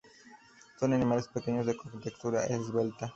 Son animales pequeños de contextura esbelta.